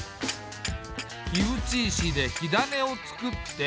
火打ち石で火種を作って。